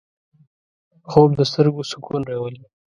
خوب د سترګو سکون راولي